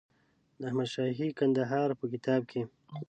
د احمدشاهي کندهار په کتاب کې.